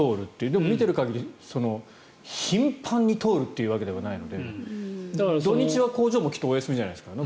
でも見ている限り、頻繁に通るというわけではないので土日は工場もきっとお休みじゃないですか。